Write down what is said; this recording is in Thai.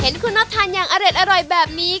เห็นคุณน็อตทานอย่างอร่อยแบบนี้